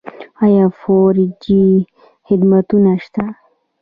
آیا فور جي خدمتونه شته؟